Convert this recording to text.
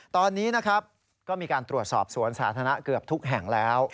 ตอนนี้นะครับก็มีการตรวจสอบสวนสาธารณะเกือบทุกแห่งแล้ว